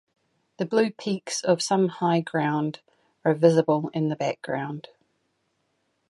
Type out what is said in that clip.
The blue peaks of some high ground are visible in the background.